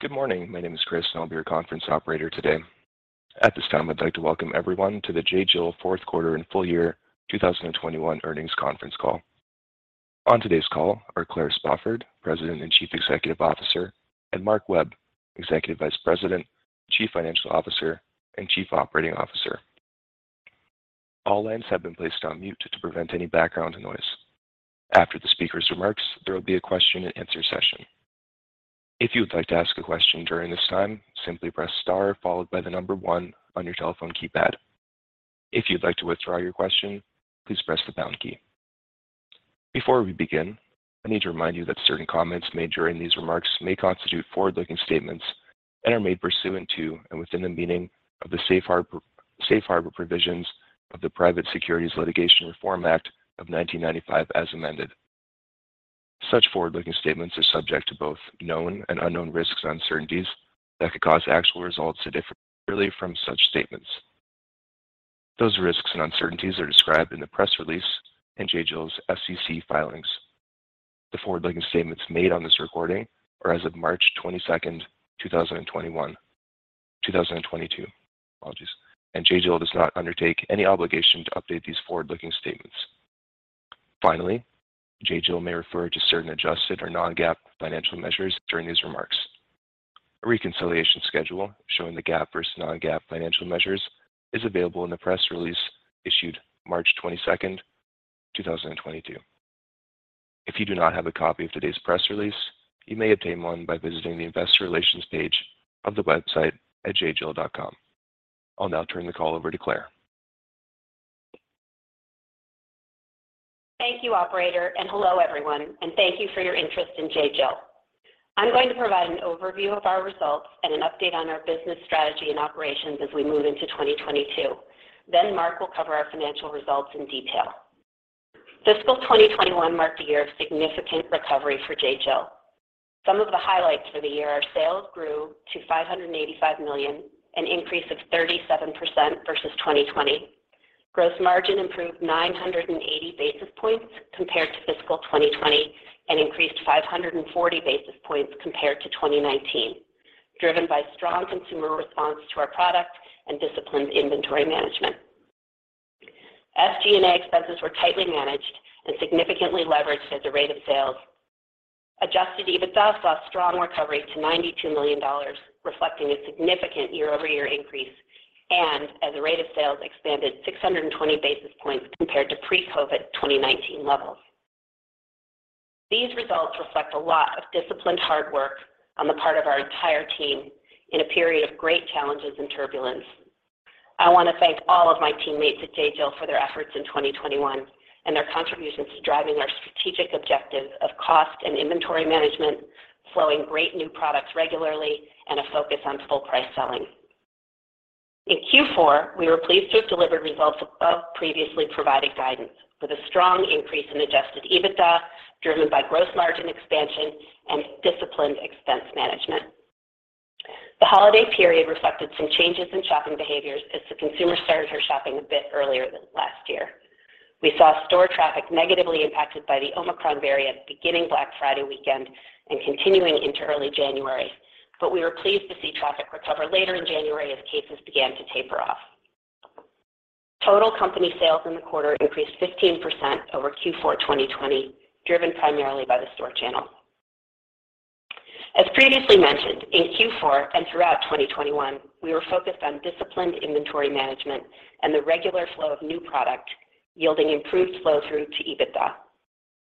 Good morning. My name is Chris, and I'll be your conference operator today. At this time, I'd like to welcome everyone to the J.Jill Fourth Quarter and Full Year 2021 Earnings Conference Call. On today's call are Claire Spofford, President and Chief Executive Officer, and Mark Webb, Executive Vice President, Chief Financial Officer, and Chief Operating Officer. All lines have been placed on mute to prevent any background noise. After the speaker's remarks, there will be a question-and-answer session. If you would like to ask a question during this time, simply press star followed by the number one on your telephone keypad. If you'd like to withdraw your question, please press the pound key. Before we begin, I need to remind you that certain comments made during these remarks may constitute forward-looking statements and are made pursuant to and within the meaning of the safe harbor provisions of the Private Securities Litigation Reform Act of 1995 as amended. Such forward-looking statements are subject to both known and unknown risks and uncertainties that could cause actual results to differ materially from such statements. Those risks and uncertainties are described in the press release in J.Jill's SEC filings. The forward-looking statements made on this recording are as of March 22, 2022. Apologies. J.Jill does not undertake any obligation to update these forward-looking statements. Finally, J.Jill may refer to certain adjusted or non-GAAP financial measures during these remarks. A reconciliation schedule showing the GAAP versus non-GAAP financial measures is available in the press release issued March twenty-second, two thousand and twenty-two. If you do not have a copy of today's press release, you may obtain one by visiting the investor relations page of the website at jjill.com. I'll now turn the call over to Claire. Thank you, operator, and hello everyone, and thank you for your interest in J.Jill. I'm going to provide an overview of our results and an update on our business strategy and operations as we move into 2022. Mark will cover our financial results in detail. Fiscal 2021 marked a year of significant recovery for J.Jill. Some of the highlights for the year are sales grew to $585 million, an increase of 37% versus 2020. Gross margin improved 980 basis points compared to fiscal 2020 and increased 540 basis points compared to 2019, driven by strong consumer response to our product and disciplined inventory management. SG&A expenses were tightly managed and significantly leveraged as a rate of sales. Adjusted EBITDA saw strong recovery to $92 million, reflecting a significant year-over-year increase and as a percentage of sales expanded 620 basis points compared to pre-COVID 2019 levels. These results reflect a lot of disciplined hard work on the part of our entire team in a period of great challenges and turbulence. I wanna thank all of my teammates at J.Jill for their efforts in 2021 and their contributions to driving our strategic objectives of cost and inventory management, flowing great new products regularly, and a focus on full price selling. In Q4, we were pleased to have delivered results above previously provided guidance with a strong increase in adjusted EBITDA, driven by gross margin expansion and disciplined expense management. The holiday period reflected some changes in shopping behaviors as the consumer started her shopping a bit earlier than last year. We saw store traffic negatively impacted by the Omicron variant beginning Black Friday weekend and continuing into early January, but we were pleased to see traffic recover later in January as cases began to taper off. Total company sales in the quarter increased 15% over Q4 2020, driven primarily by the store channel. As previously mentioned, in Q4 and throughout 2021, we were focused on disciplined inventory management and the regular flow of new product, yielding improved flow through to EBITDA.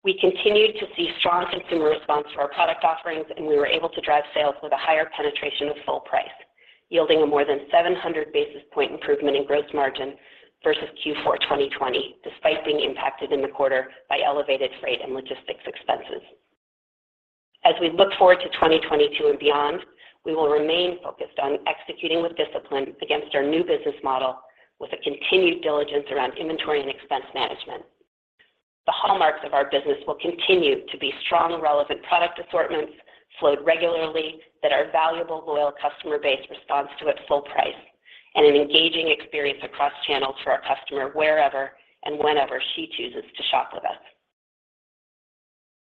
We continued to see strong consumer response to our product offerings, and we were able to drive sales with a higher penetration of full price, yielding a more than 700 basis points improvement in gross margin versus Q4 2020, despite being impacted in the quarter by elevated freight and logistics expenses. As we look forward to 2022 and beyond, we will remain focused on executing with discipline against our new business model with a continued diligence around inventory and expense management. The hallmarks of our business will continue to be strong and relevant product assortments flowed regularly that our valuable, loyal customer base responds to at full price and an engaging experience across channels for our customer wherever and whenever she chooses to shop with us.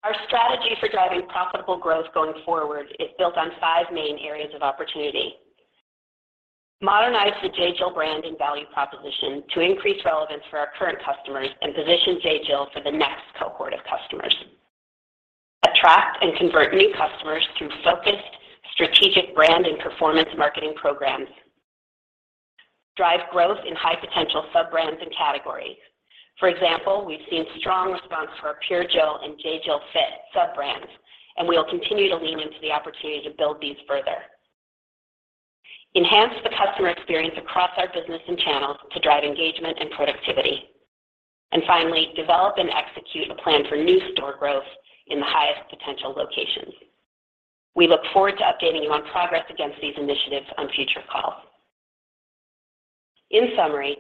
Our strategy for driving profitable growth going forward is built on five main areas of opportunity. Modernize the J.Jill brand and value proposition to increase relevance for our current customers and position J.Jill for the next cohort of customers. Attract and convert new customers through focused strategic brand and performance marketing programs. Drive growth in high potential sub-brands and categories. For example, we've seen strong response for our Pure Jill and J.Jill Fit sub-brands, and we will continue to lean into the opportunity to build these further. Enhance the customer experience across our business and channels to drive engagement and productivity. Finally, develop and execute a plan for new store growth in the highest potential locations. We look forward to updating you on progress against these initiatives on future calls. In summary,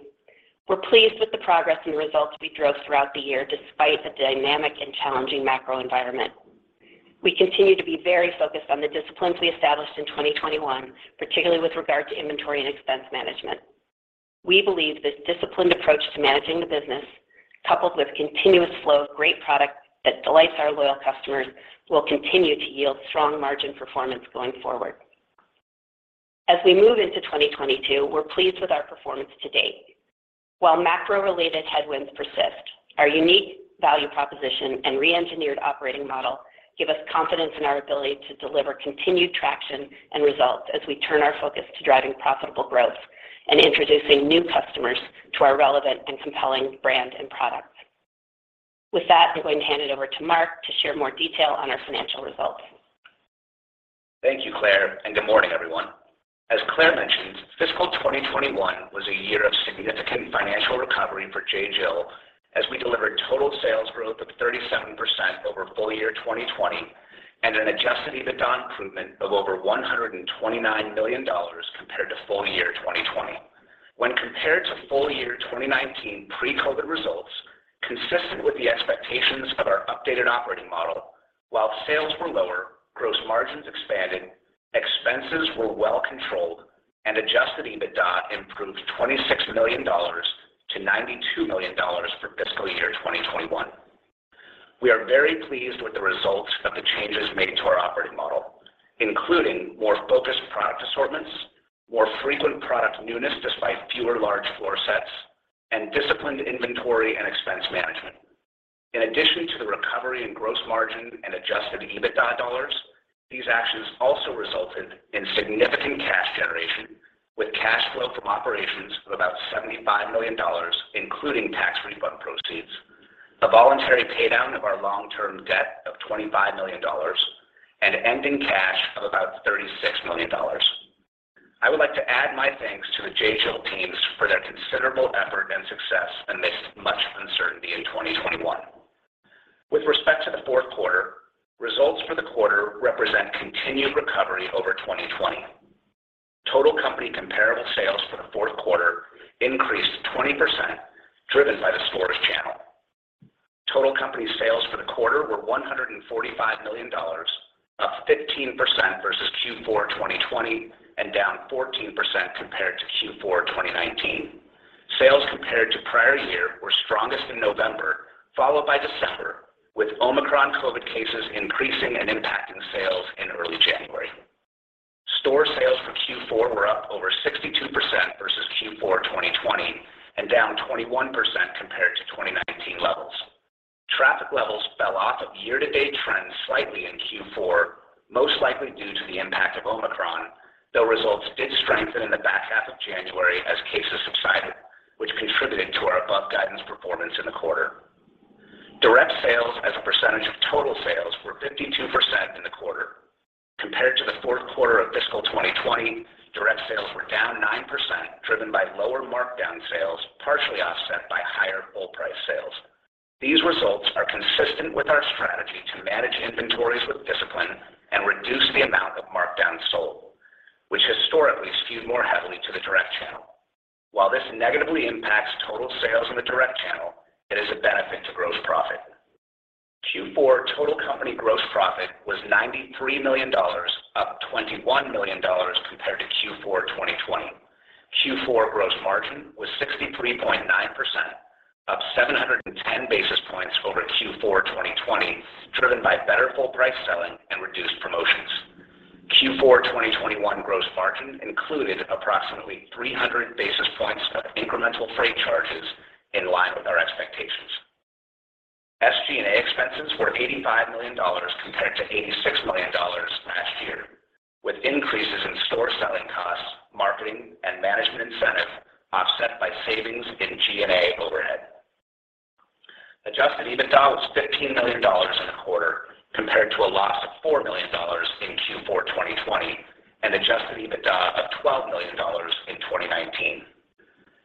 we're pleased with the progress and results we drove throughout the year despite the dynamic and challenging macro environment. We continue to be very focused on the disciplines we established in 2021, particularly with regard to inventory and expense management. We believe this disciplined approach to managing the business, coupled with continuous flow of great product that delights our loyal customers, will continue to yield strong margin performance going forward. As we move into 2022, we're pleased with our performance to date. While macro-related headwinds persist, our unique value proposition and re-engineered operating model give us confidence in our ability to deliver continued traction and results as we turn our focus to driving profitable growth and introducing new customers to our relevant and compelling brand and product. With that, I'm going to hand it over to Mark to share more detail on our financial results. Thank you, Claire, and good morning, everyone. As Claire mentioned, fiscal 2021 was a year of significant financial recovery for J.Jill as we delivered total sales growth of 37% over full year 2020 and an adjusted EBITDA improvement of over $129 million compared to full year 2020. When compared to full year 2019 pre-COVID results, consistent with the expectations of our updated operating model, while sales were lower, gross margins expanded, expenses were well controlled, and adjusted EBITDA improved $26 million to $92 million for fiscal year 2021. We are very pleased with the results of the changes made to our operating model, including more focused product assortments, more frequent product newness despite fewer large floor sets, and disciplined inventory and expense management. In addition to the recovery in gross margin and adjusted EBITDA dollars, these actions also resulted in significant cash generation with cash flow from operations of about $75 million, including tax refund proceeds, a voluntary paydown of our long-term debt of $25 million, and ending cash of about $36 million. I would like to add my thanks to the J.Jill teams for their considerable effort and success amidst much uncertainty in 2021. With respect to the fourth quarter, results for the quarter represent continued recovery over 2020. Total company comparable sales for the fourth quarter increased 20%, driven by the store's channel. Total company sales for the quarter were $145 million, up 15% versus Q4 2020 and down 14% compared to Q4 2019. Sales compared to prior year were strongest in November, followed by December, with Omicron COVID cases increasing and impacting sales in early January. Store sales for Q4 were up over 62% versus Q4 2020 and down 21% compared to 2019 levels. Traffic levels fell off of year-to-date trends slightly in Q4, most likely due to the impact of Omicron, though results did strengthen in the back half of January as cases subsided, which contributed to our above guidance performance in the quarter. Direct sales as a percentage of total sales were 52% in the quarter. Compared to the fourth quarter of fiscal 2020, direct sales were down 9%, driven by lower markdown sales, partially offset by higher full price sales. These results are consistent with our strategy to manage inventories with discipline and reduce the amount of markdown sold, which historically skewed more heavily to the direct channel. While this negatively impacts total sales in the direct channel, it is a benefit to gross profit. Q4 total company gross profit was $93 million, up $21 million compared to Q4 2020. Q4 gross margin was 63.9%, up 710 basis points over Q4 2020, driven by better full price selling and reduced promotions. Q4 2021 gross margin included approximately 300 basis points of incremental freight charges in line with our expectations. SG&A expenses were $85 million compared to $86 million last year, with increases in store selling costs, marketing and management incentive offset by savings in G&A overhead. Adjusted EBITDA was $15 million in the quarter, compared to a loss of $4 million in Q4 2020 and adjusted EBITDA of $12 million in 2019.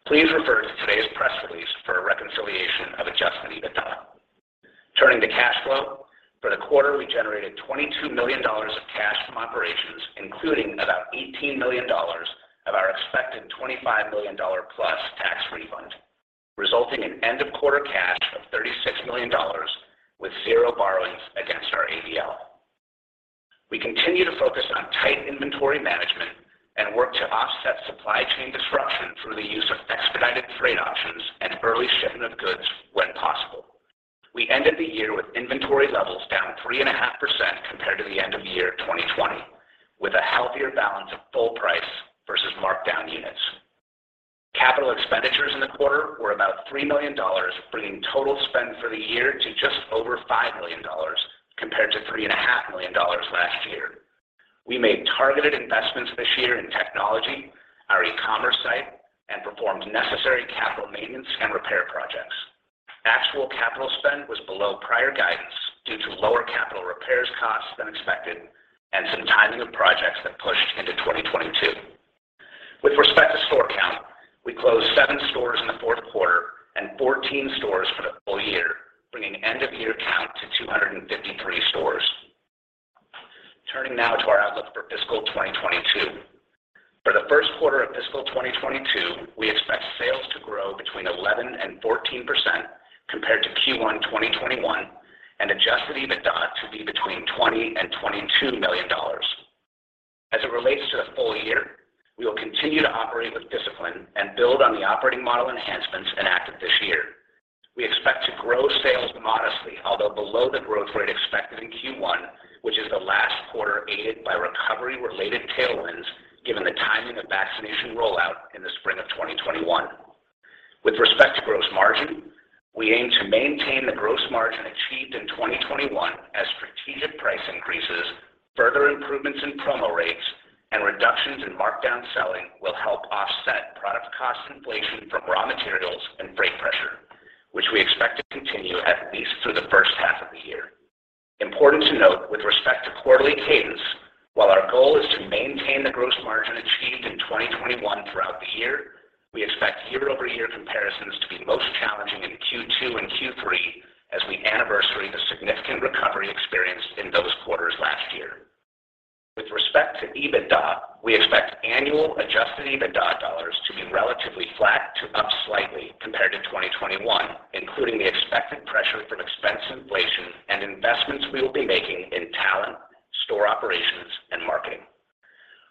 Please refer to today's press release for a reconciliation of adjusted EBITDA. Turning to cash flow. For the quarter, we generated $22 million of cash from operations, including about $18 million of our expected $25 million plus tax refund, resulting in end of quarter cash of $36 million with zero borrowings against our ABL. We continue to focus on tight inventory management and work to offset supply chain disruption through the use of expedited freight options and early shipping of goods when possible. We ended the year with inventory levels down 3.5% compared to the end of year 2020, with a healthier balance of full price versus markdown units. Capital expenditures in the quarter were about $3 million, bringing total spend for the year to just over $5 million compared to $3.5 million last year. We made targeted investments this year in technology, our e-commerce site, and performed necessary capital maintenance and repair projects. Actual capital spend was below prior guidance due to lower capital repairs costs than expected and some timing of projects that pushed into 2022. With respect to store count, we closed 7 stores in the fourth quarter and 14 stores for the full year, bringing end of year count to 253 stores. Turning now to our outlook for fiscal 2022. For the first quarter of fiscal 2022, we expect sales 11%-14% compared to Q1 2021 and adjusted EBITDA to be between $20 million and $22 million. As it relates to the full year, we will continue to operate with discipline and build on the operating model enhancements enacted this year. We expect to grow sales modestly, although below the growth rate expected in Q1, which is the last quarter aided by recovery related tailwinds given the timing of vaccination rollout in the spring of 2021. With respect to gross margin, we aim to maintain the gross margin achieved in 2021 as strategic price increases, further improvements in promo rates, and reductions in markdown selling will help offset product cost inflation from raw materials and freight pressure, which we expect to continue at least through the first half of the year. Important to note with respect to quarterly cadence, while our goal is to maintain the gross margin achieved in 2021 throughout the year, we expect year-over-year comparisons to be most challenging in Q2 and Q3 as we anniversary the significant recovery experienced in those quarters last year. With respect to EBITDA, we expect annual adjusted EBITDA dollars to be relatively flat to up slightly compared to 2021, including the expected pressure from expense inflation and investments we will be making in talent, store operations, and marketing.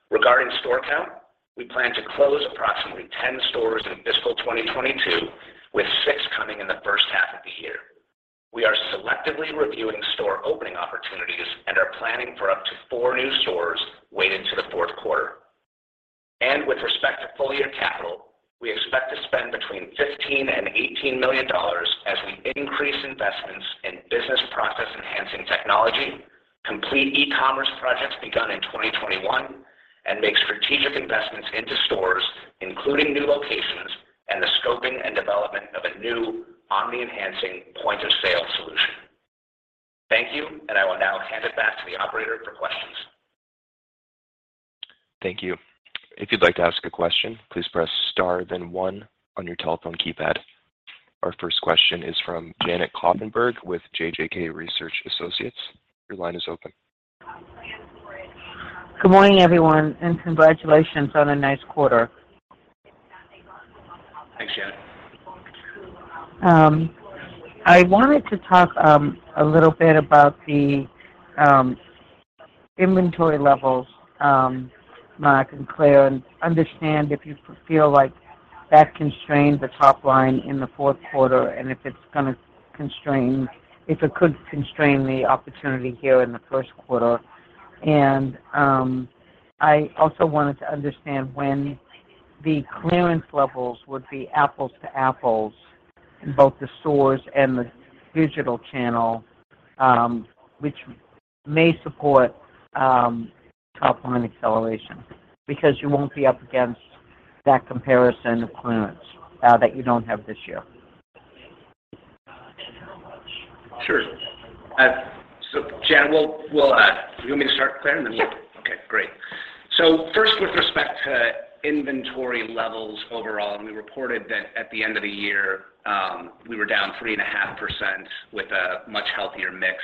Regarding store count, we plan to close approximately 10 stores in fiscal 2022, with six coming in the first half of the year. We are selectively reviewing store opening opportunities and are planning for up to four new stores weighted to the fourth quarter. With respect to full year capital, we expect to spend between $15 million and $18 million as we increase investments in business process enhancing technology, complete e-commerce projects begun in 2021, and make strategic investments into stores, including new locations and the scoping and development of a new omni enhancing point of sale solution. Thank you, and I will now hand it back to the operator for questions. Thank you. If you'd like to ask a question, please press star then one on your telephone keypad. Our first question is from Janet Kloppenburg with JJK Research. Your line is open. Good morning, everyone, and congratulations on a nice quarter. Thanks, Janet. I wanted to talk a little bit about the inventory levels, Mark and Claire, and understand if you feel like that constrained the top line in the fourth quarter, and if it could constrain the opportunity here in the first quarter. I also wanted to understand when the clearance levels would be apples to apples in both the stores and the digital channel, which may support top line acceleration, because you won't be up against that comparison of clearance that you don't have this year. Sure. Jan, do you want me to start, Claire, and then you- Sure. Okay, great. First, with respect to inventory levels overall, and we reported that at the end of the year, we were down 3.5% with a much healthier mix,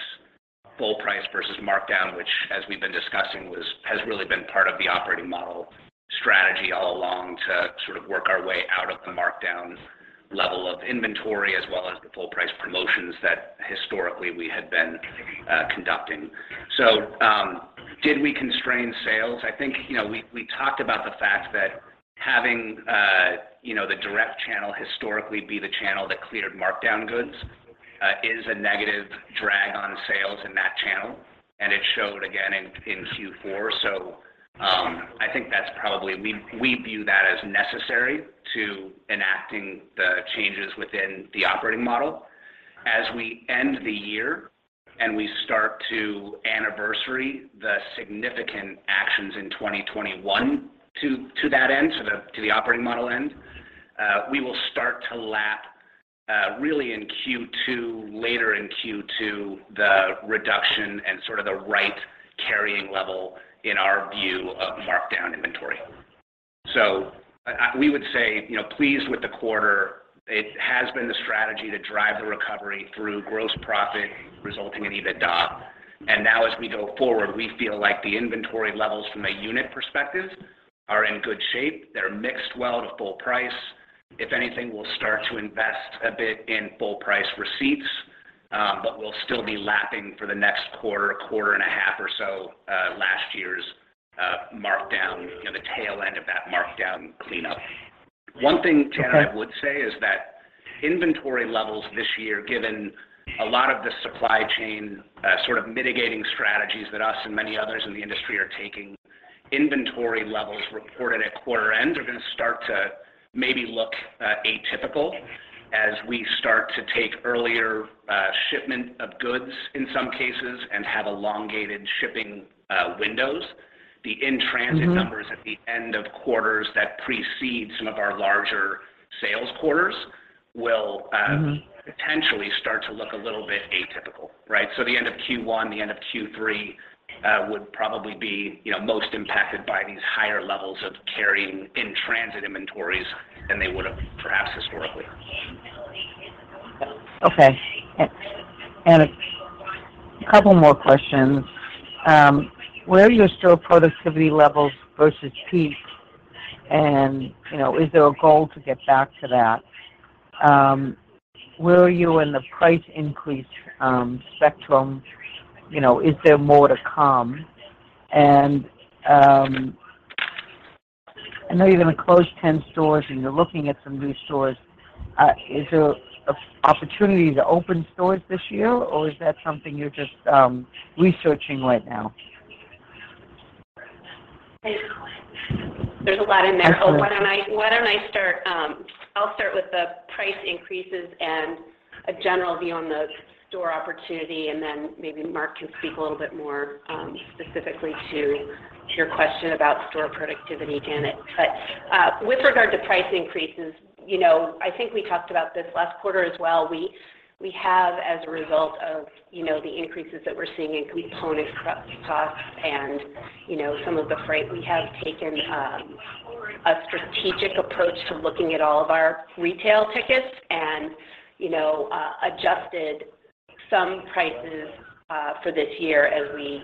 full price versus markdown, which, as we've been discussing, has really been part of the operating model strategy all along to sort of work our way out of the markdown level of inventory as well as the full price promotions that historically we had been conducting. I think that's probably. We view that as necessary to enacting the changes within the operating model. As we end the year and we start to anniversary the significant actions in 2021 to that end, to the operating model end, we will start to lap really in Q2, later in Q2, the reduction and sort of the right carrying level in our view of markdown inventory. We would say, you know, pleased with the quarter. It has been the strategy to drive the recovery through gross profit resulting in EBITDA. Now as we go forward, we feel like the inventory levels from a unit perspective are in good shape. They're mixed well to full price. If anything, we'll start to invest a bit in full price receipts, but we'll still be lapping for the next quarter, a quarter and a half or so, last year's markdown, you know, the tail end of that markdown cleanup. One thing, Janet, I would say is that inventory levels this year, given a lot of the supply chain sort of mitigating strategies that us and many others in the industry are taking, inventory levels reported at quarter end are gonna start to maybe look atypical as we start to take earlier shipment of goods in some cases and have elongated shipping windows. The in-transit numbers at the end of quarters that precede some of our larger sales quarters will potentially start to look a little bit atypical, right? The end of Q1, the end of Q3 would probably be, you know, most impacted by these higher levels of carrying in-transit inventories than they would have perhaps historically. Okay. A couple more questions. Where are your store productivity levels versus peak? Is there a goal to get back to that? Where are you in the price increase spectrum? Is there more to come? I know you're gonna close 10 stores and you're looking at some new stores. Is there an opportunity to open stores this year, or is that something you're just researching right now? There's a lot in there. That's okay. Why don't I start with the price increases and a general view on the store opportunity, and then maybe Mark can speak a little bit more specifically to your question about store productivity, Janet. With regard to price increases, you know, I think we talked about this last quarter as well. We have as a result of, you know, the increases that we're seeing in component costs and, you know, some of the freight, we have taken a strategic approach to looking at all of our retail tickets and, you know, adjusted some prices for this year as we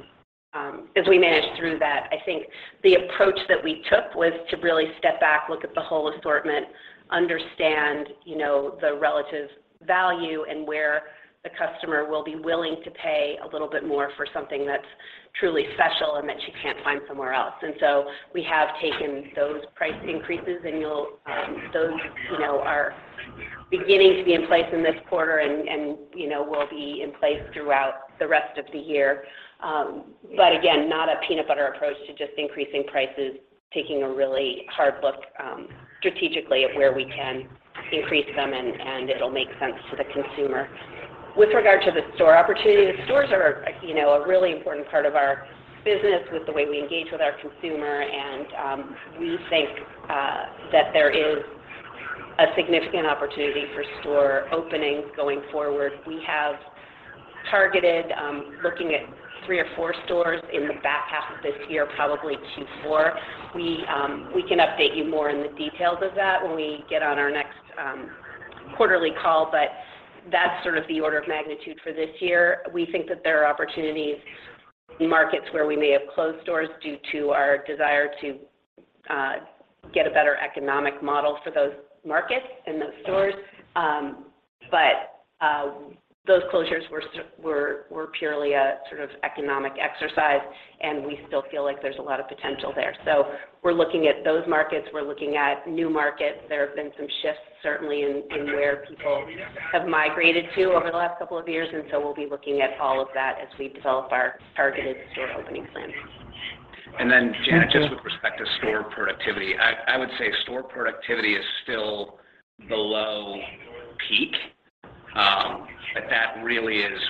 manage through that. I think the approach that we took was to really step back, look at the whole assortment, understand, you know, the relative value and where the customer will be willing to pay a little bit more for something that's truly special and that she can't find somewhere else. We have taken those price increases, and you'll, those, you know, are beginning to be in place in this quarter and you know will be in place throughout the rest of the year. Again, not a peanut butter approach to just increasing prices, taking a really hard look, strategically at where we can increase them and it'll make sense to the consumer. With regard to the store opportunity, the stores are, you know, a really important part of our business with the way we engage with our consumer. We think that there is a significant opportunity for store openings going forward. We have targeted looking at three or four stores in the back half of this year, probably two to four. We can update you more in the details of that when we get on our next quarterly call, but that's sort of the order of magnitude for this year. We think that there are opportunities in markets where we may have closed stores due to our desire to get a better economic model for those markets and those stores. Those closures were purely a sort of economic exercise, and we still feel like there's a lot of potential there. We're looking at those markets. We're looking at new markets. There have been some shifts certainly in where people have migrated to over the last couple of years, and so we'll be looking at all of that as we develop our targeted store opening plans. Janet, just with respect to store productivity, I would say store productivity is still below peak. That really is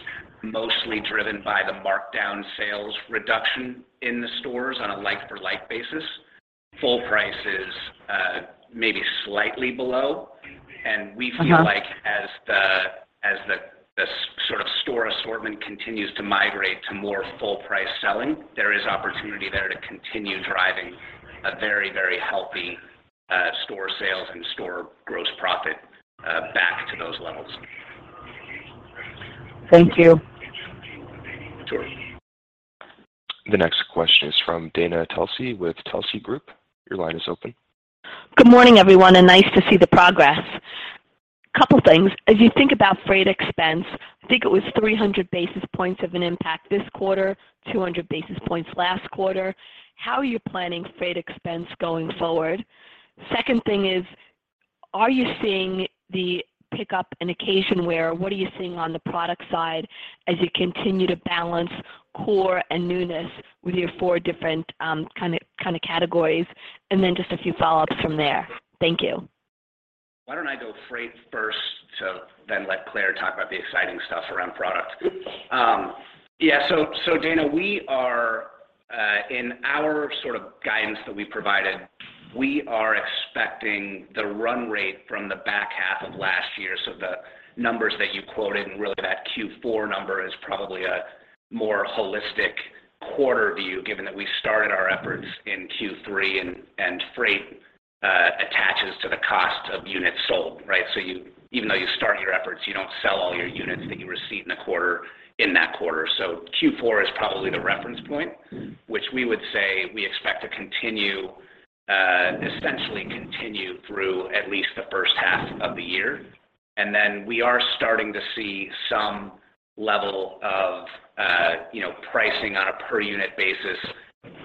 mostly driven by the markdown sales reduction in the stores on a like for like basis. Full price is maybe slightly below. Uh-huh. We feel like as the sort of store assortment continues to migrate to more full price selling, there is opportunity there to continue driving a very, very healthy store sales and store gross profit back to those levels. Thank you. Sure. The next question is from Dana Telsey with Telsey Group. Your line is open. Good morning, everyone, and nice to see the progress. A couple things. As you think about freight expense, I think it was 300 basis points of an impact this quarter, 200 basis points last quarter. How are you planning freight expense going forward? Second thing is, are you seeing the pickup in occasion wear, what are you seeing on the product side as you continue to balance core and newness with your four different, kinda categories? Just a few follow-ups from there. Thank you. Why don't I go freight first to then let Claire talk about the exciting stuff around product. Yeah. Dana, we are in our sort of guidance that we provided, we are expecting the run rate from the back half of last year. The numbers that you quoted and really that Q4 number is probably a more holistic quarter view given that we started our efforts in Q3 and freight attaches to the cost of units sold, right? Even though you start your efforts, you don't sell all your units that you receive in a quarter in that quarter. Q4 is probably the reference point, which we would say we expect to continue, essentially continue through at least the first half of the year. We are starting to see some level of pricing on a per unit basis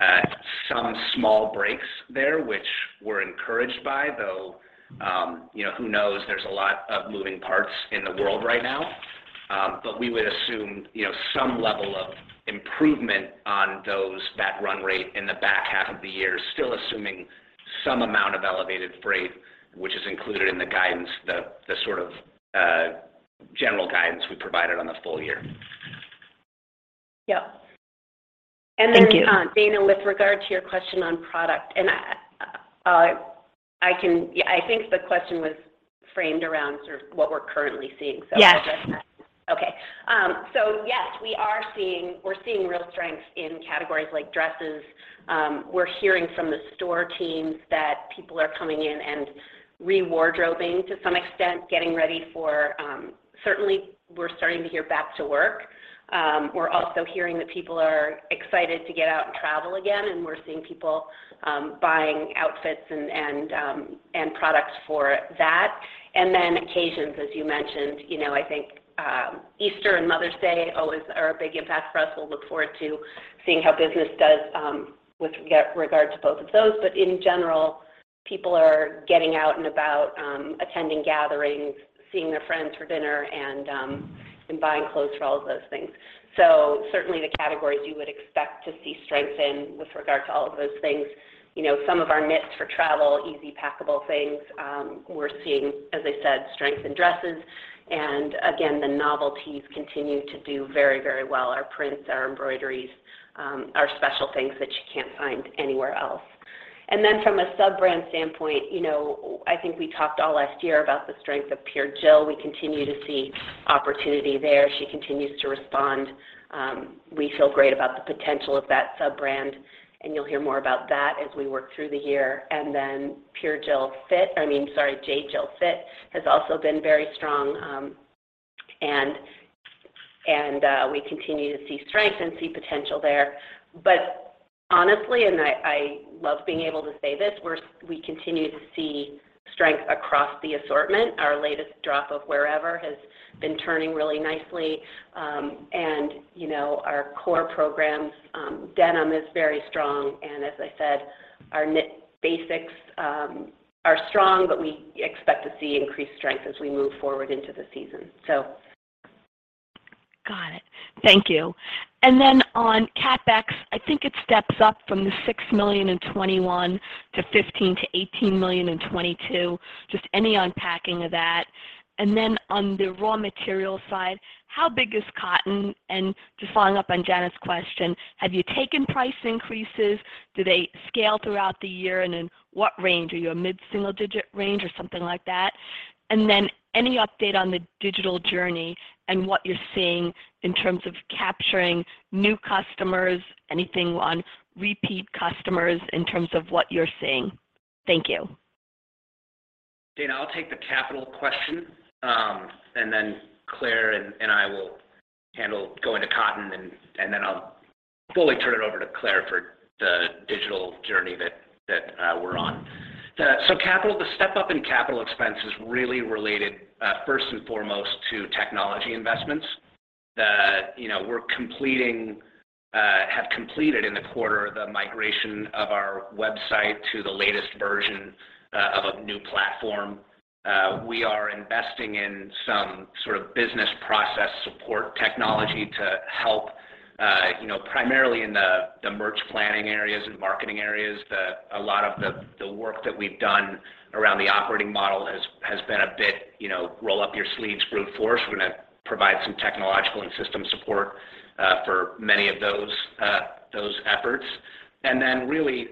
at some small breaks there, which we're encouraged by. Though, who knows, there's a lot of moving parts in the world right now. We would assume some level of improvement on those that run rate in the back half of the year, still assuming some amount of elevated freight, which is included in the guidance, the sort of general guidance we provided on the full year. Yeah. Thank you. Dana, with regard to your question on product. Yeah, I think the question was framed around sort of what we're currently seeing. Yes We're seeing real strength in categories like dresses. We're hearing from the store teams that people are coming in and re-wardrobing to some extent, getting ready for, certainly we're starting to hear back to work. We're also hearing that people are excited to get out and travel again, and we're seeing people buying outfits and products for that. Occasions, as you mentioned, you know, I think, Easter and Mother's Day always are a big impact for us. We'll look forward to seeing how business does with regard to both of those. In general, people are getting out and about, attending gatherings, seeing their friends for dinner, and buying clothes for all of those things. Certainly the categories you would expect to see strength in with regard to all of those things, you know, some of our knits for travel, easy packable things, we're seeing, as I said, strength in dresses. Again, the novelties continue to do very, very well. Our prints, our embroideries, our special things that you can't find anywhere else. From a sub-brand standpoint, you know, I think we talked all last year about the strength of Pure Jill. We continue to see opportunity there. She continues to respond. We feel great about the potential of that sub-brand, and you'll hear more about that as we work through the year. J.Jill Fit has also been very strong, and we continue to see strength and see potential there. Honestly, I love being able to say this. We continue to see strength across the assortment. Our latest drop of Wearever has been turning really nicely. You know, our core programs, denim is very strong. As I said, our knit basics are strong, but we expect to see increased strength as we move forward into the season. Got it. Thank you. On CapEx, I think it steps up from the $6 million in 2021 to $15 million-$18 million in 2022. Just any unpacking of that. On the raw material side, how big is cotton? Just following up on Janice's question, have you taken price increases? Do they scale throughout the year? In what range? Are you a mid-single digit range or something like that? Any update on the digital journey and what you're seeing in terms of capturing new customers, anything on repeat customers in terms of what you're seeing? Thank you. Dana, I'll take the capital question, and then Claire and I will handle going to cotton, then I'll fully turn it over to Claire for the digital journey that we're on. Capital, the step-up in capital expense is really related first and foremost to technology investments that, you know, we're completing, have completed in the quarter the migration of our website to the latest version of a new platform. We are investing in some sort of business process support technology to help, you know, primarily in the merch planning areas and marketing areas. A lot of the work that we've done around the operating model has been a bit, you know, roll up your sleeves brute force. We're gonna provide some technological and system support for many of those efforts. Really,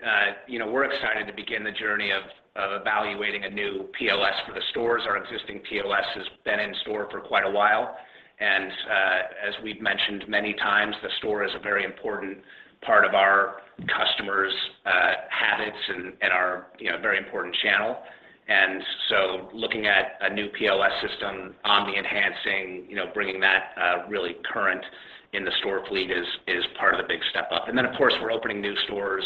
you know, we're excited to begin the journey of evaluating a new POS for the stores. Our existing POS has been in store for quite a while. As we've mentioned many times, the store is a very important part of our customers' habits and our, you know, very important channel. Looking at a new POS system, omni enhancing, you know, bringing that really current in the store fleet is part of the big step up. Of course, we're opening new stores,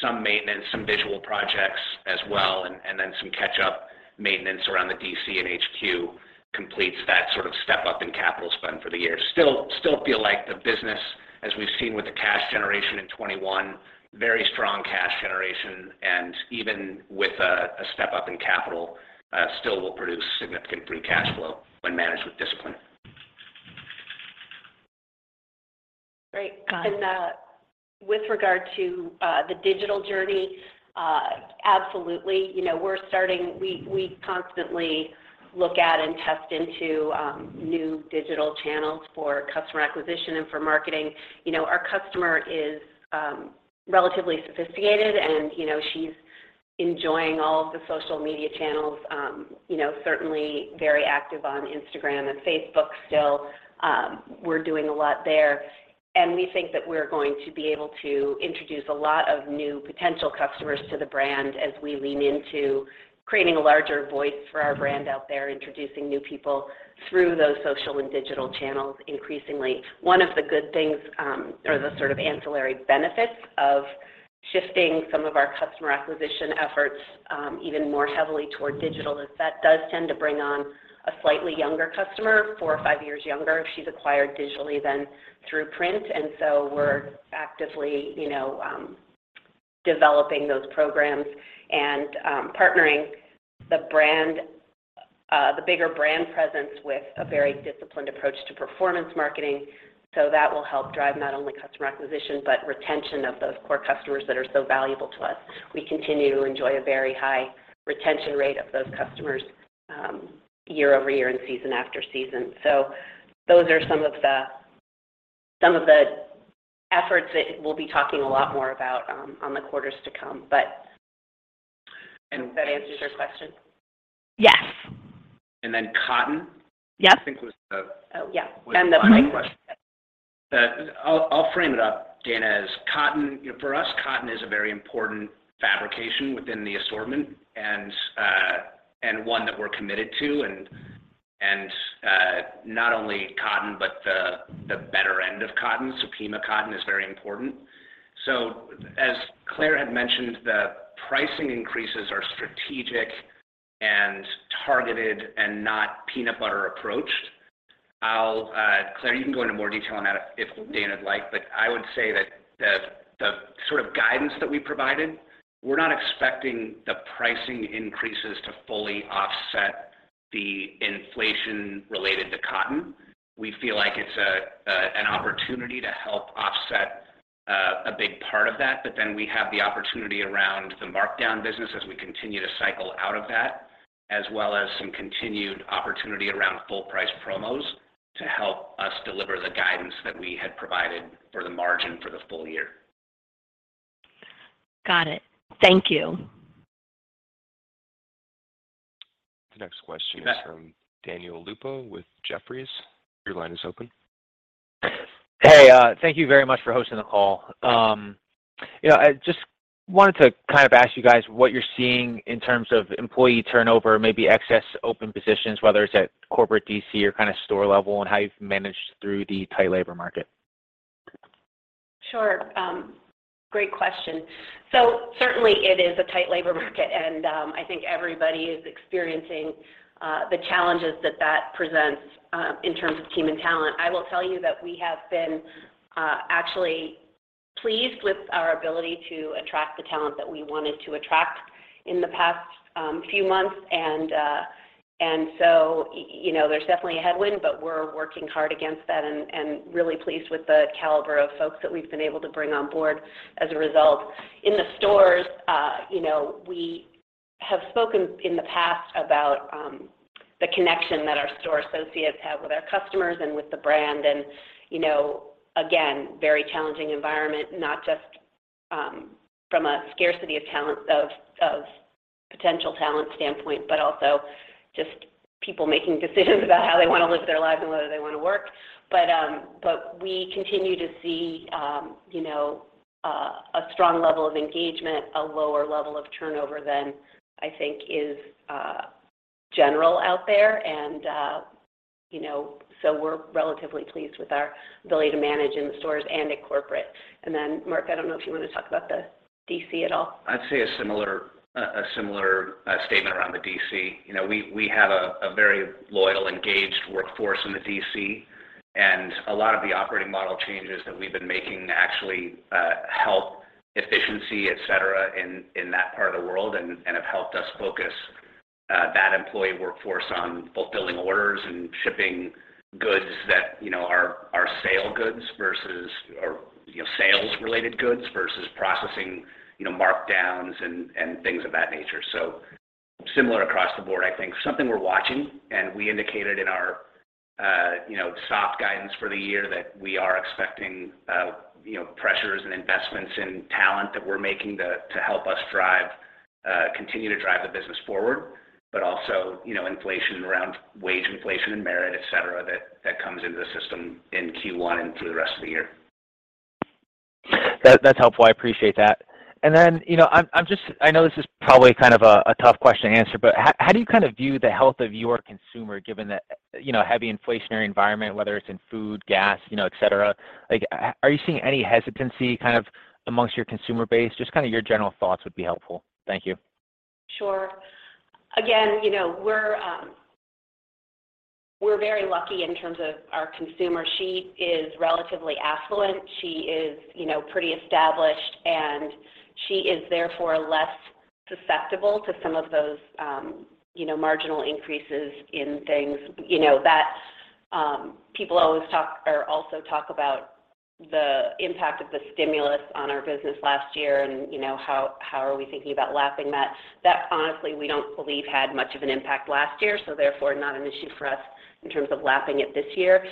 some maintenance, some visual projects as well, and then some catch-up maintenance around the DC and HQ completes that sort of step up in capital spend for the year. Still feel like the business, as we've seen with the cash generation in 2021, very strong cash generation, and even with a step up in capital, still will produce significant free cash flow when managed with discipline. Great. Got it. With regard to the digital journey, absolutely. You know, we constantly look at and test into new digital channels for customer acquisition and for marketing. You know, our customer is relatively sophisticated, and, you know, she's enjoying all of the social media channels, you know, certainly very active on Instagram and Facebook still. We're doing a lot there. We think that we're going to be able to introduce a lot of new potential customers to the brand as we lean into creating a larger voice for our brand out there, introducing new people through those social and digital channels increasingly. One of the good things, or the sort of ancillary benefits of shifting some of our customer acquisition efforts, even more heavily toward digital is that does tend to bring on a slightly younger customer, four or five years younger if she's acquired digitally than through print. We're actively, you know, developing those programs and, partnering the brand, the bigger brand presence with a very disciplined approach to performance marketing. That will help drive not only customer acquisition, but retention of those core customers that are so valuable to us. We continue to enjoy a very high retention rate of those customers, year over year and season after season. Those are some of the efforts that we'll be talking a lot more about, on the quarters to come. Does that answer your question? Yes. And then cotton- Yep. I think was the- Oh, yeah. The final question. was the final question. I'll frame it up, Dana, as cotton. You know, for us, cotton is a very important fabrication within the assortment and one that we're committed to. Not only cotton, but the better end of cotton. Supima cotton is very important. As Claire had mentioned, the pricing increases are strategic and targeted and not peanut butter approached. Claire, you can go into more detail on that if Dana'd like. I would say that the sort of guidance that we provided, we're not expecting the pricing increases to fully offset the inflation related to cotton. We feel like it's an opportunity to help offset a big part of that. We have the opportunity around the markdown business as we continue to cycle out of that, as well as some continued opportunity around full price promos to help us deliver the guidance that we had provided for the margin for the full year. Got it. Thank you. The next question is from Randal Konik with Jefferies. Your line is open. Hey. Thank you very much for hosting the call. You know, I just wanted to kind of ask you guys what you're seeing in terms of employee turnover, maybe excess open positions, whether it's at corporate DC or kinda store level, and how you've managed through the tight labor market? Sure. Great question. Certainly it is a tight labor market, and I think everybody is experiencing the challenges that that presents in terms of team and talent. I will tell you that we have been actually pleased with our ability to attract the talent that we wanted to attract in the past few months. You know, there's definitely a headwind, but we're working hard against that and really pleased with the caliber of folks that we've been able to bring on board as a result. In the stores, you know, we have spoken in the past about the connection that our store associates have with our customers and with the brand. You know, again, very challenging environment, not just from a scarcity of talent of potential talent standpoint, but also just people making decisions about how they wanna live their lives and whether they wanna work. We continue to see, you know, a strong level of engagement, a lower level of turnover than I think is general out there. You know, we're relatively pleased with our ability to manage in the stores and at corporate. Mark, I don't know if you wanna talk about the DC at all. I'd say a similar statement around the DC. You know, we have a very loyal, engaged workforce in the DC, and a lot of the operating model changes that we've been making actually help efficiency, et cetera, in that part of the world and have helped us focus that employee workforce on fulfilling orders and shipping goods that, you know, are sale goods versus or, you know, sales related goods versus processing, you know, markdowns and things of that nature. Similar across the board, I think. Something we're watching, and we indicated in our, you know, soft guidance for the year that we are expecting, you know, pressures and investments in talent that we're making to help us drive, continue to drive the business forward. Also, you know, inflation around wage inflation and merit, et cetera, that comes into the system in Q1 and through the rest of the year. That's helpful. I appreciate that. Then, you know, I'm just, I know this is probably kind of a tough question to answer, but how do you kind of view the health of your consumer given the, you know, heavy inflationary environment, whether it's in food, gas, you know, et cetera? Like, are you seeing any hesitancy kind of amongst your consumer base? Just kinda your general thoughts would be helpful. Thank you. Sure. Again, you know, we're very lucky in terms of our consumer. She is relatively affluent. She is, you know, pretty established, and she is therefore less susceptible to some of those, you know, marginal increases in things. You know, that. People always talk or also talk about the impact of the stimulus on our business last year and, you know, how are we thinking about lapping that. That honestly, we don't believe had much of an impact last year, so therefore not an issue for us in terms of lapping it this year.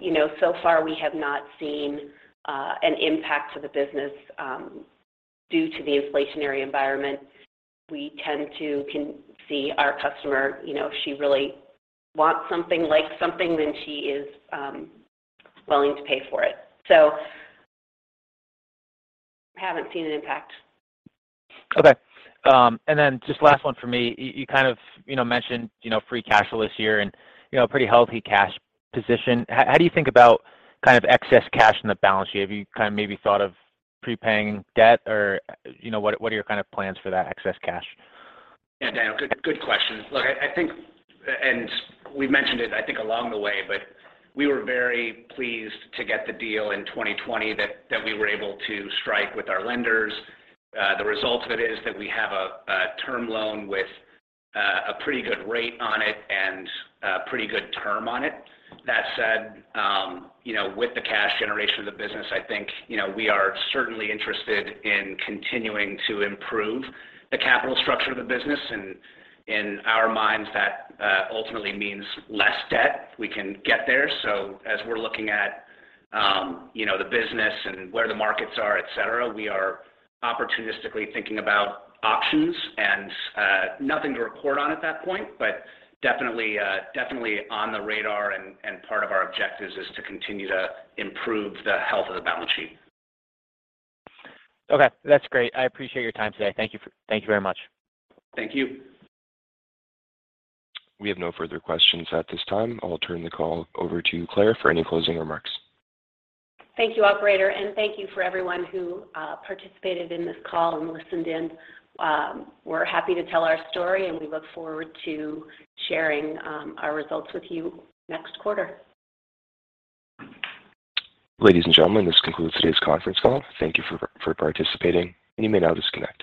You know, so far we have not seen an impact to the business due to the inflationary environment. We tend to see our customer, you know, if she really wants something, likes something, then she is willing to pay for it. Haven't seen an impact. Okay. Just last one from me. You kind of, you know, mentioned, you know, free cash flow this year and, you know, a pretty healthy cash position. How do you think about kind of excess cash in the balance sheet? Have you kind of maybe thought of prepaying debt or, you know, what are your kind of plans for that excess cash? Yeah, Daniel, good question. Look, I think, and we've mentioned it, I think, along the way, but we were very pleased to get the deal in 2020 that we were able to strike with our lenders. The result of it is that we have a term loan with a pretty good rate on it and a pretty good term on it. That said, you know, with the cash generation of the business, I think, you know, we are certainly interested in continuing to improve the capital structure of the business, and in our minds, that ultimately means less debt we can get there. As we're looking at, you know, the business and where the markets are, et cetera, we are opportunistically thinking about options. Nothing to report on at that point, but definitely on the radar and part of our objectives is to continue to improve the health of the balance sheet. Okay. That's great. I appreciate your time today. Thank you. Thank you very much. Thank you. We have no further questions at this time. I will turn the call over to Claire for any closing remarks. Thank you, operator. Thank you for everyone who participated in this call and listened in. We're happy to tell our story, and we look forward to sharing our results with you next quarter. Ladies and gentlemen, this concludes today's conference call. Thank you for participating, and you may now disconnect.